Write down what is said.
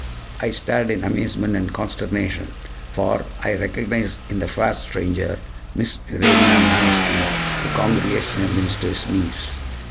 I stared in amazement and consternation; for I recognized in the fair stranger Miss Urania Mannersley, the Congregational minister's niece!